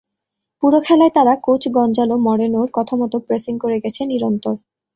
পুরো খেলায় তারা কোচ গঞ্জালো মরেনোর কথামতো প্রেসিং করে গেছে নিরন্তর।